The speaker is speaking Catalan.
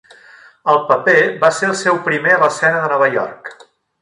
El paper va ser el seu primer a l'escena de Nova York.